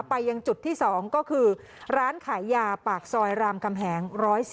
ไปยังจุดที่๒ก็คือร้านขายยาปากซอยรามคำแหง๑๔